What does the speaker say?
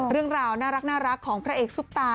เรื่องราวน่ารักของพระเอกซุปตา